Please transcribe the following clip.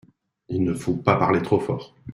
Il ne faut pas parler trop fort !